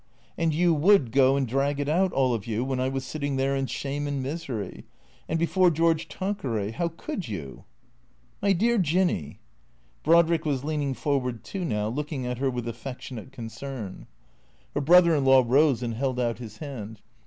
" And you would go and drag it out, all of you, when I was sitting there in shame and misery. And before George Tan queray — How could you ?"" My dear Jinny " Brodrick was leaning forward too now, looking at her with affectionate concern. THECEEATORS 293 Her brother in law rose and held out his hand.